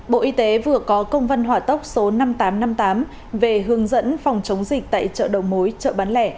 bộ y tế vừa có công văn hỏa tốc số năm nghìn tám trăm năm mươi tám về hướng dẫn phòng chống dịch tại chợ đầu mối chợ bán lẻ